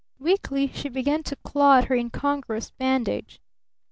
Weakly she began to claw at her incongruous bandage.